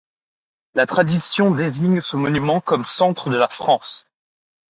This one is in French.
La tradition désigne ce monument comme centre de la France.